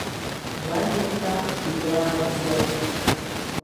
Ваниа-иԥа Бигәаа Анзор!